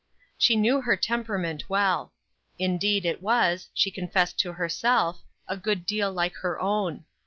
She knew her temperament well. Indeed it was she confessed it to herself a good deal like her own.